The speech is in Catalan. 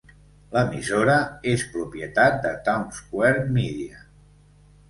L'emissora és propietat de Townsquare Media.